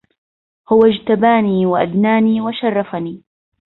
هو اجتباني وأدناني وشرفني